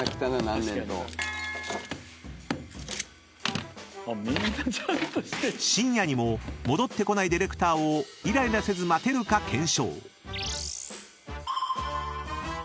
［しんやにも戻ってこないディレクターをイライラせず待てるか検証］